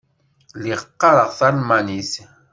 Lliɣ qqareɣ talmanit.